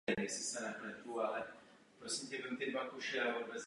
Pak odešel do Bavorska a později do Švýcarska.